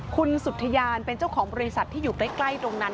คุณสุธยานเป็นเจ้าของบริษัทที่อยู่ใกล้ตรงนั้น